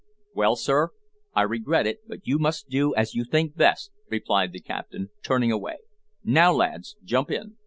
"Well, sir, I regret it but you must do as you think best," replied the captain, turning away "Now, lads, jump in."